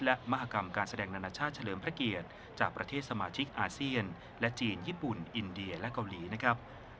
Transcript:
และมหากรรมการแสดงนานาชาติเฉลิมพระเกียรติจากประเทศสมาชิกอาเซียนและจีนญี่ปุ่นอินเดียและเกาหลีนะครับ